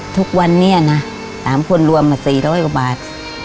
ทุกวันนี้นะ๓คนรวมมา๔๐๐กว่าบาท